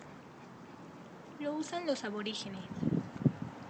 Lo usan los aborígenes.